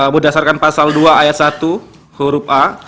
berdasarkan pasal dua ayat satu huruf a